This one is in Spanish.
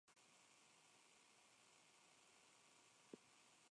Abrazó el estado clerical y se hizo a numerosos beneficios eclesiásticos.